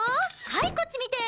はいこっち見て。